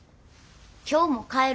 今日も帰る？